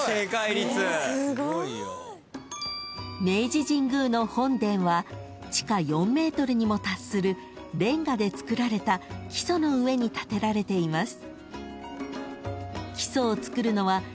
［明治神宮の本殿は地下４ｍにも達するレンガでつくられた基礎の上に建てられています］